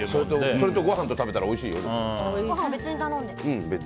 それとご飯と食べたらおいしいよ。